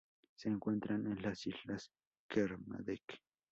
Se encuentran en las Islas Kermadec.